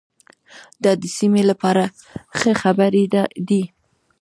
دا د سیمې لپاره ښه خبر دی.